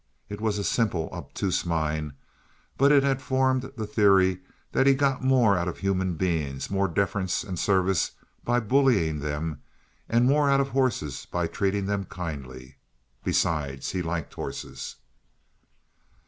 It was a simple, obtuse mind, but it had formed the theory that he got more out of human beings, more deference and service, by bullying them and more out of horses by treating them kindly. Besides, he liked horses.